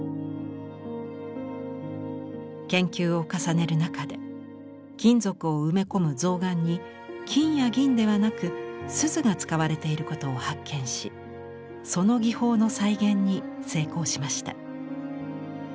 研究を重ねる中で金属を埋め込む象嵌に金や銀ではなく錫が使われていることを発見しその技法の再現に成功しました。